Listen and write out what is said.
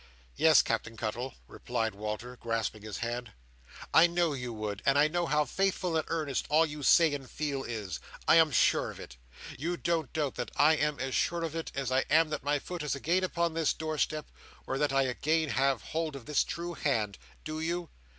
"Yes, Captain Cuttle," replied Walter, grasping his hand, "I know you would, and I know how faithful and earnest all you say and feel is. I am sure of it. You don't doubt that I am as sure of it as I am that my foot is again upon this door step, or that I again have hold of this true hand. Do you?"